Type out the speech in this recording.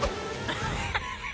アハハハハ！